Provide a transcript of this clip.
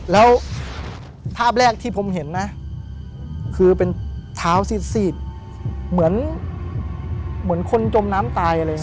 แล้วภาพแรกที่ผมเห็นนะคือเป็นเท้าซีดเหมือนคนจมน้ำตายอะไรอย่างนี้